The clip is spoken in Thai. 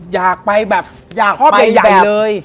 อยากไปครอบใยใหญ่เลย